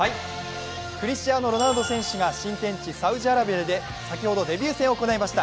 クリスチアーノ・ロナウド選手が新天地サウジアラビアで先ほどデビュー戦を行いました。